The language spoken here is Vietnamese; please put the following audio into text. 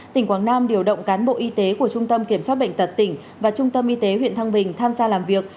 tỉnh quảng nam điều động cán bộ y tế của trung tâm kiểm soát bệnh tật tỉnh và trung tâm y tế huyện thăng bình tham gia làm việc